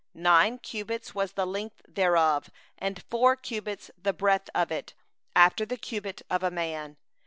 nine cubits was the length thereof, and four cubits the breadth of it, after the cubit of a 3 man.